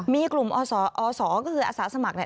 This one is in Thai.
มีกลุ่มอสอศก็คืออาสาสมัครเนี่ย